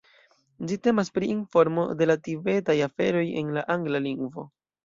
Ĝi temas pri informo de la tibetaj aferoj en la angla lingvo.